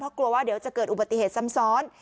เพราะกลัวว่าเดี๋ยวจะเกิดอุบัติเหตุซ้ำซ้อน